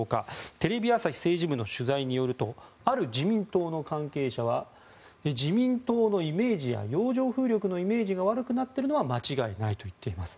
テレビ朝日政治部の取材によるとある自民党の関係者は自民党のイメージや洋上風力のイメージが悪くなっているのは間違いないと言っています。